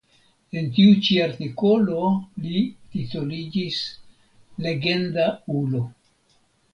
En tiu ĉi artikolo li titoliĝis "legenda ulo".